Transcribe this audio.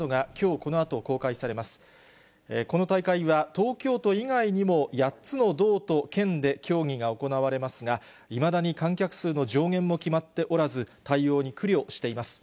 この大会は、東京都以外にも８つの道と県で競技が行われますが、いまだに観客数の上限も決まっておらず、対応に苦慮しています。